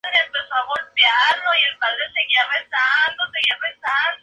Se establecen varios turnos.